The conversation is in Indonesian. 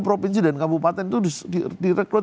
provinsi dan kabupaten itu direkrut